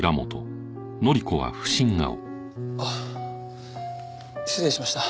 あっ失礼しました。